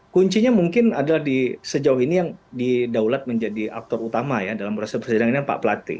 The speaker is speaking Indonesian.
kuncinya mungkin adalah di sejauh ini yang didaulat menjadi aktor utama ya dalam proses persidangan ini pak plate